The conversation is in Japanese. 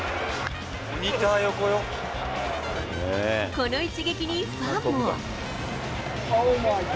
この一撃に、ファンも。